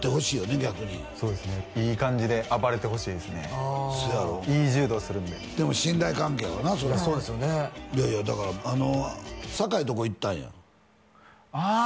逆にそうですねいい感じで暴れてほしいですねいい柔道するんででも信頼関係はなそりゃそうですよねだからあの左海んとこ行ったんやああー！